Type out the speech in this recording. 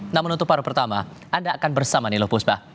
namun untuk paru pertama anda akan bersama nilo pusbah